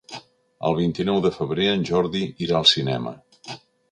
El vint-i-nou de febrer en Jordi irà al cinema.